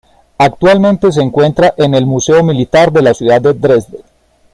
Actualmente se encuentra en el Museo Militar de la ciudad de Dresde.